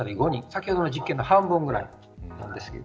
先ほどの実験の半分ぐらいです。